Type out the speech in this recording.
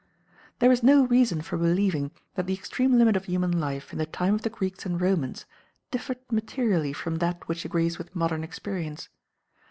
There is no reason for believing that the extreme limit of human life in the time of the Greeks and Romans differed materially from that which agrees with modern experience.